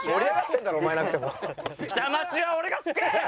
下町は俺が救う！